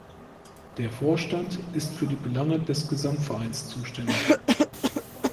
Der Vorstand ist für die Belange des Gesamtvereins zuständig.